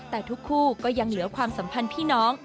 แต่ทุกคู่ก็ยังเหลือความสัมพันธ์พี่น้อง